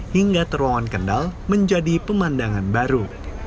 hingga terowongan kendal menjadi pemandangan baru